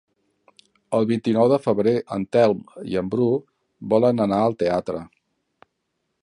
El vint-i-nou de febrer en Telm i en Bru volen anar al teatre.